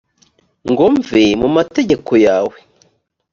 ngo mve mu mategeko yawe